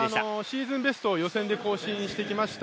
シーズンベストを予選で更新してきました。